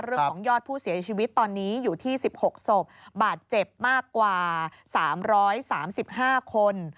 ยอดผู้เสียชีวิตตอนนี้อยู่ที่๑๖ศพบาดเจ็บมากกว่า๓๓๕คน